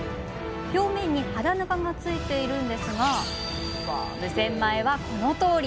表面に肌ぬかがついているんですが無洗米は、このとおり。